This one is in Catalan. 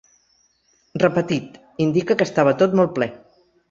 Repetit, indica que estava tot molt ple.